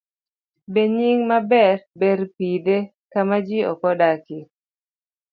B. Nying maber. Ber pidhe kama ji ok odakie.